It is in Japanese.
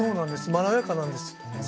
まろやかなんですよね。